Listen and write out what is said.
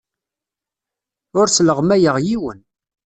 Ur sleɣmayeɣ yiwen.